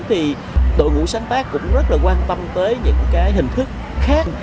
thì đội ngũ sáng tác cũng rất là quan tâm tới những cái hình thức khác